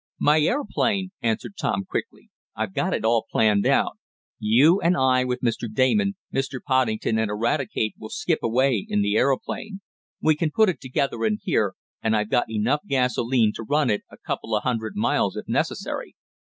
"My aeroplane!" answered Tom quickly. "I've got it all planned out. You and I with Mr. Damon, Mr. Poddington and Eradicate will skip away in the aeroplane. We can put it together in here, and I've got enough gasolene to run it a couple of hundred miles if necessary."